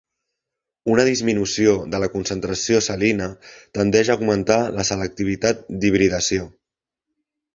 Una disminució de la concentració salina tendeix a augmentar la selectivitat d'hibridació.